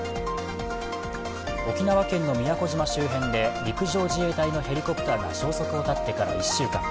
沖縄県の宮古島周辺で陸上自衛隊のヘリコプターが消息を絶ってから１週間。